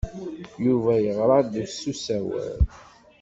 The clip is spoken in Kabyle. Yuba yeɣra-d s usawal.